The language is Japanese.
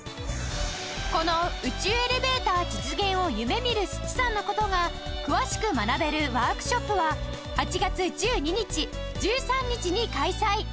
この宇宙エレベーター実現を夢見る須知さんの事が詳しく学べるワークショップは８月１２日１３日に開催！